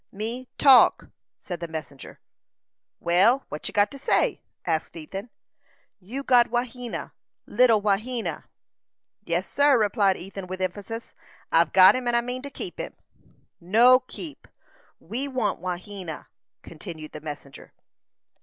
"Me talk," said the messenger. "Well! what ye got to say?" asked Ethan. "You got Wahena little Wahena." "Yes, sir!" replied Ethan, with emphasis. "I've got him, and I mean to keep him." "No keep! We want Wahena," continued the messenger.